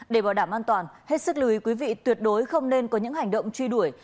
để bảo đảm an toàn hết sức lưu ý quý vị tuyệt đối không nên có những hành động truy đuổi